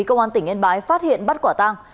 công an tỉnh yên bái phát hiện bắt quả tang